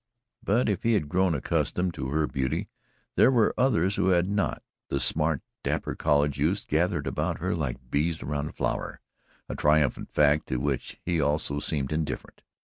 But if he had grown accustomed to her beauty, there were others who had not, and smart, dapper college youths gathered about her like bees around a flower a triumphant fact to which he also seemed indifferent.